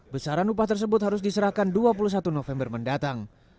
besaran upah tersebut harus diserahkan dua puluh satu november mendatang